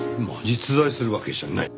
実在するわけじゃない。